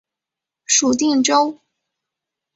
属定州。